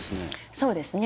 そうですね